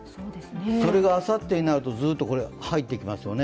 それがあさってになるとずっと入ってきますよね。